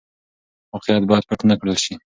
واقعيت بايد پټ نه کړل شي.